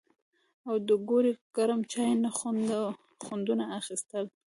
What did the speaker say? او د ګوړې ګرم چای نه خوندونه اخيستل